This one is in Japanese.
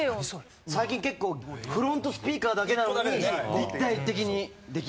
最近結構フロントスピーカーだけなのに立体的にできる。